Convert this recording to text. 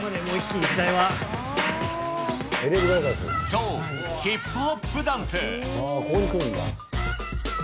そう、ヒップホップダンス。